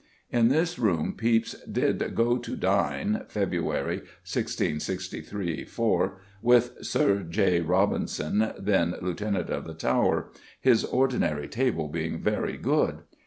In this room Pepys "did go to dine" (February 1663 4) with Sir J. Robinson, then Lieutenant of the Tower, "his ordinary table being very good."